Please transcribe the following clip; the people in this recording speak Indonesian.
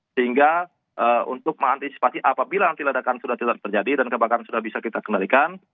sehingga untuk mengantisipasi apabila nanti ledakan sudah tidak terjadi dan kebakaran sudah bisa kita kendalikan